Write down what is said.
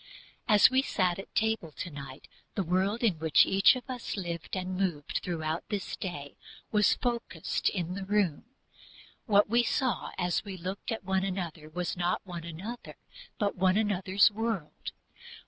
As we sat at table to night the world in which each of us lived and moved throughout this day was focused in the room. What we saw when we looked at one another was not one another, but one another's world.